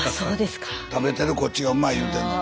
食べてるこっちがうまい言うてんのに。